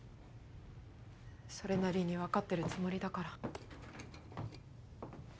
それなりにわかってるつもりだから。